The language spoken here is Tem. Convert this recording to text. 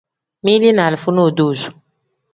Mili ni alifa nodozo.